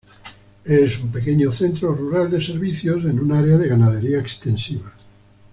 Es un pequeño centro rural de servicios en un área de ganadería extensiva.